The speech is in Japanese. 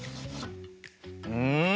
うん！